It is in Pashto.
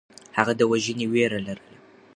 هغه د وژنې وېره لرله.